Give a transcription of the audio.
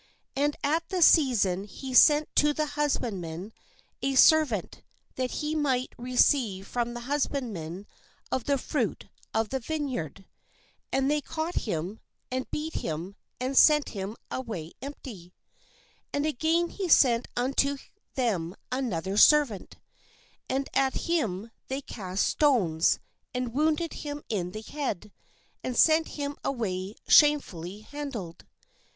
And at the season he sent to the husbandmen a servant, that he might re ceive from the husbandmen of the fruit of the vineyard. I THE HUSBANDMEN And again he sent unto them another servant ; and at him they cast stones, and wounded him in the head, and sent him away shame fully handled.